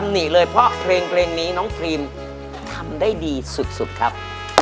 หนีเลยเพราะเพลงนี้น้องพรีมทำได้ดีสุดครับ